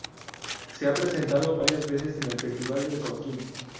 Se ha presentado varias veces en el Festival de Cosquín.